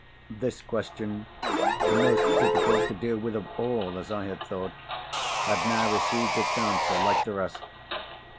This question (the most difficult to deal with of all, as I had thought) had now received its answer, like the rest.